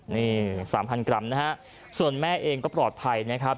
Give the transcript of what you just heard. นี่๓๐๐กรัมนะฮะส่วนแม่เองก็ปลอดภัยนะครับ